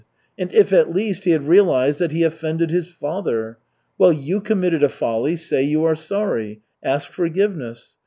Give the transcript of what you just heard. And if at least he had realized that he offended his father! Well, you committed a folly say you are sorry. Ask forgiveness!